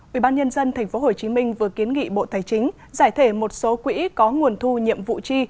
ubnd tp hcm vừa kiến nghị bộ tài chính giải thể một số quỹ có nguồn thu nhiệm vụ chi